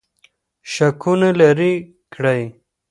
شکونه لرې کړئ.